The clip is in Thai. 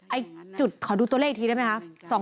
จุดขอดูตัวเลขอีกทีได้ไหมคะ